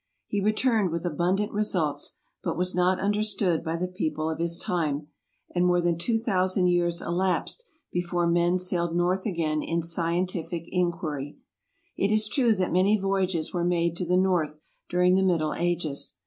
He returned with abundant results, but was not understood by the people of his time, and more than 2000 years elapsed before men sailed north again in scientific inquiry. It is true that many voyages were made to the north during the Middle Ages.